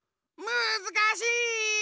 むずかしい。